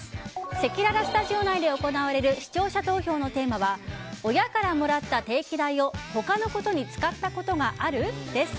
せきららスタジオ内で行われる視聴者投票のテーマは親からもらった定期代を他のことに使ったことがある？です。